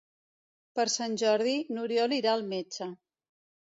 Per Sant Jordi n'Oriol irà al metge.